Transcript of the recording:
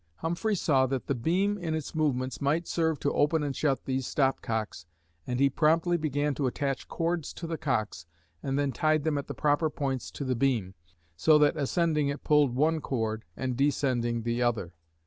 Humphrey saw that the beam in its movements might serve to open and shut these stop cocks and he promptly began to attach cords to the cocks and then tied them at the proper points to the beam, so that ascending it pulled one cord and descending the other.